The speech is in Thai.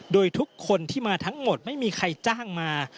โดยทุกคนที่มาทั้งหมดไม่มีใครจ้างมา